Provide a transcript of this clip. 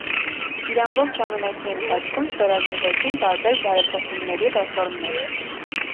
Իր ամբողջ ժամանակի ընթացքում ստորագրվեցին տարբեր բարեփոխումների ռեֆորմներ։